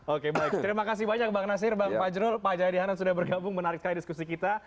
oke baik terima kasih banyak bang nasir bang fajrul pak jayadi hanan sudah bergabung menarik sekali diskusi kita